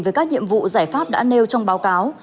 về các nhiệm vụ giải pháp đã nêu trong báo cáo